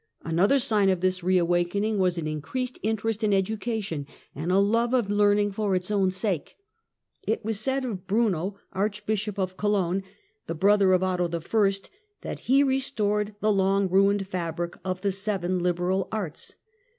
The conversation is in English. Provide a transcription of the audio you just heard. Another sign of this reawakening was an increased interest in education, and a love of learning for its own sake. It was said of Bruno, Archbishop of Cologne, the brother of Otto I., that he " restored the long ruined fabric of the seven liberal arts."